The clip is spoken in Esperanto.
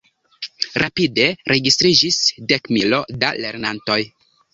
Rapide registriĝis dekmilo da lernantoj.